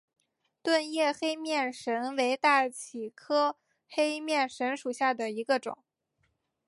钝叶黑面神为大戟科黑面神属下的一个种。